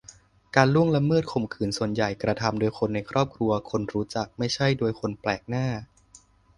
การล่วงละเมิด-ข่มขืนส่วนใหญ่กระทำโดยคนในครอบครัว-คนรู้จัก ไม่ใช่โดยคนแปลกหน้า